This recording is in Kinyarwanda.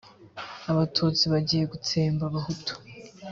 abatutsi bagiye gutsemba abahutu